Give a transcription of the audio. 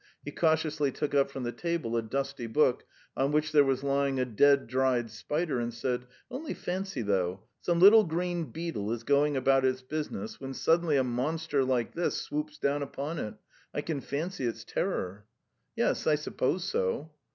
He cautiously took up from the table a dusty book on which there was lying a dead dried spider, and said: "Only fancy, though; some little green beetle is going about its business, when suddenly a monster like this swoops down upon it. I can fancy its terror." "Yes, I suppose so."